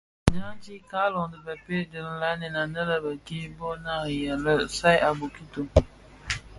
Djanti, Kaaloň dhi bëpeï bi nlanèn anèn bek-kè bō nariya lè saad a bokito.